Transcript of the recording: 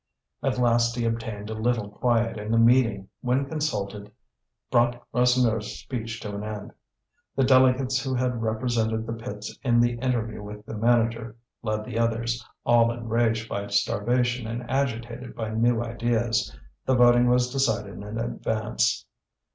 At last he obtained a little quiet and the meeting, when consulted, brought Rasseneur's speech to an end. The delegates who had represented the pits in the interview with the manager led the others, all enraged by starvation and agitated by new ideas. The voting was decided in advance.